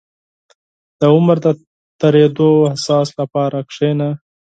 • د عمر د تېرېدو احساس لپاره کښېنه.